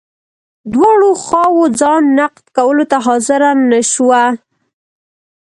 دواړو خواوو ځان نقد کولو ته حاضره نه شوه.